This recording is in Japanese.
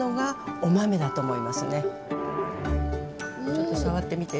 ちょっと触ってみて。